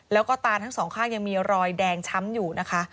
แล้วก็ตาทั้งสองข้างยังมีรอยแดงช้ำอยู่นะคะ